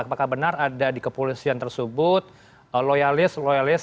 apakah benar ada di kepolisian tersebut loyalis loyalis